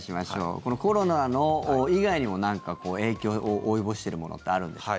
このコロナ以外にも影響を及ぼしているものってあるんでしょうか。